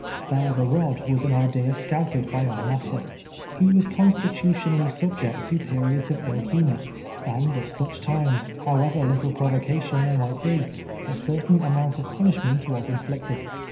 " Spare the rod," was an idea scouted by our master. lie was constitutionally sul) ject to periods of ill humor, and at such times, how ever little jJi'O'^'ocation there might be, a certain amount of punishment was inflicted.